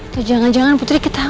tuh jangan jangan putri kita